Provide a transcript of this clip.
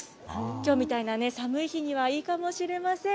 きょうみたいな寒い日には、いいかもしれません。